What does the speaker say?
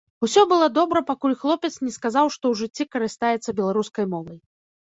Усё было добра, пакуль хлопец не сказаў, што ў жыцці карыстаецца беларускай мовай.